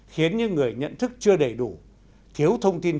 khiến những người nhận thức chưa đầy đủ